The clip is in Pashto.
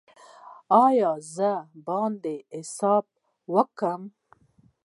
ایا زه باید حساب وکړم؟